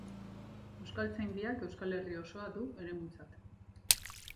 Euskaltzaindiak Euskal Herri osoa du eremutzat.